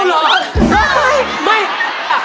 เอ้าเหรอ